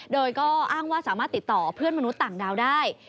โดยก็อ้างว่าสามารถติดต่อเพื่อนมนุษย์ต่างดาวได้